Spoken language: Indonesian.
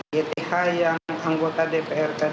yth yang anggota dprd